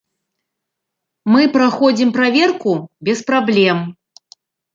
Мы праходзім праверку без праблем.